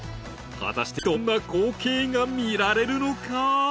果たしてどんな光景が見られるのか。